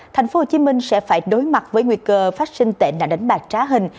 tp hcm sẽ phải đối mặt với nguy cơ phát sinh tệ nạn đánh bạc trá hình